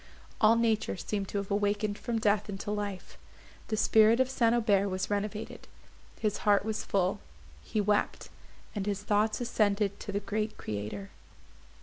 All nature seemed to have awakened from death into life; the spirit of St. Aubert was renovated. His heart was full; he wept, and his thoughts ascended to the Great Creator.